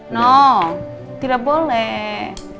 nol tidak boleh